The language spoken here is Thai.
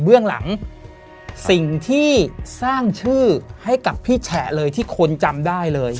เรื่องหลังสิ่งที่สร้างชื่อให้กับพี่แฉะเลยที่คนจำได้เลย